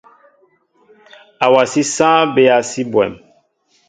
Awasí sááŋ bɛa si bwéém.